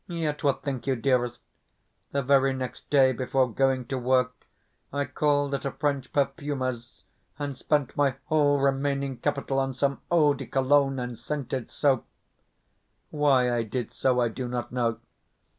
Yet, what think you, dearest? The very next day, before going to work, I called at a French perfumer's, and spent my whole remaining capital on some eau de Cologne and scented soap! Why I did so I do not know.